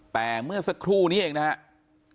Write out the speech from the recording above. แต่เมื่อสักครู่นี้เองนะครับ